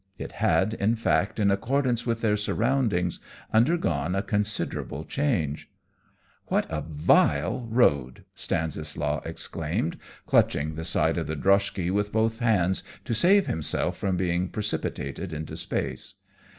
It had, in fact, in accordance with their surroundings, undergone a considerable change. "What a vile road!" Stanislaus exclaimed, clutching the side of the droshky with both hands to save himself from being precipitated into space.